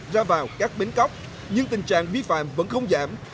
tại khu vực ra vào các bến cóc nhưng tình trạng bí phạm vẫn không giảm